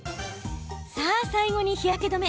最後に日焼け止め。